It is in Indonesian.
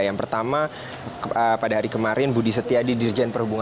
yang pertama pada hari kemarin budi setia didirijen perhubungan